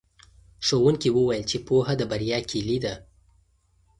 ښوونکي وویل چې پوهه د بریا کیلي ده.